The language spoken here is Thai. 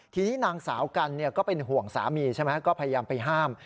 ทีนี้นางสาวกันก็เป็นห่วงสามีใช่ไหมก็พยายามไปห้าม